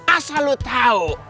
asal lu tau